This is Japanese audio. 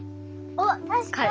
おっ確かに。